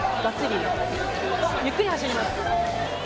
ゆっくり走ります。